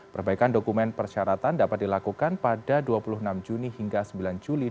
perbaikan dokumen persyaratan dapat dilakukan pada dua puluh enam juni hingga sembilan juli dua ribu dua puluh